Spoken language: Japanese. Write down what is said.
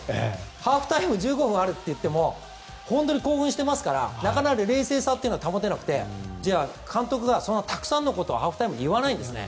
ハーフタイム１５分あるといっても本当に興奮してますからなかなか冷静さが保てなくて監督はたくさんのことをハーフタイムに言わないんですね。